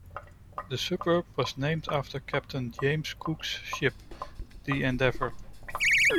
The suburb was named after Captain James Cook's ship, 'The Endeavour'.